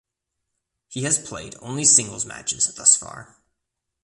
He has played only singles matches thus far.